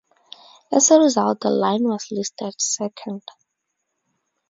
As a result the line was listed second.